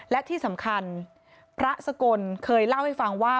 และที่สำคัญพระสกลเคยเล่าให้ฟังว่า